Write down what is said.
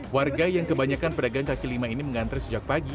warga yang kebanyakan pedagang kaki lima ini mengantre sejak pagi